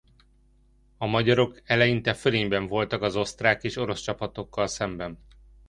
A magyarok eleinte fölényben voltak az osztrák és orosz csapatokkal szemben.